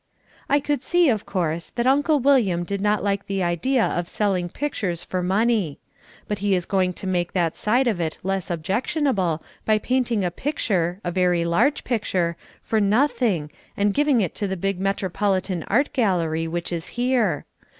I could see, of course, that Uncle William did not like the idea of selling pictures for money. But he is going to make that side of it less objectionable by painting a picture, a very large picture, for nothing and giving it to the big Metropolitan Art Gallery which is here.